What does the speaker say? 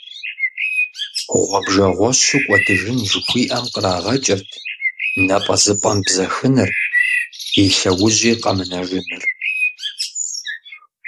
«Гъуэбжэгъуэщу кӀуэдыжын» жыхуиӏэм кърагъэкӏырт напӀэзыпӀэм бзэхыныр, и лъэужьи къэмынэжыныр.